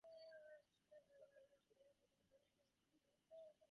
This suggests giant squid and hoki prey on the same animals.